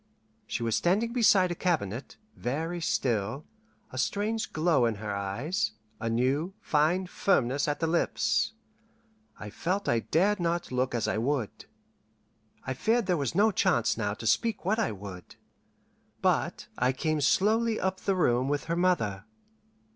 She was standing beside a cabinet, very still, a strange glow in her eyes, a new, fine firmness at the lips. I felt I dared not look as I would; I feared there was no chance now to speak what I would. But I came slowly up the room with her mother.